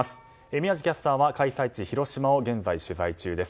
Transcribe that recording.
宮司キャスターは開催地・広島を現在、取材中です。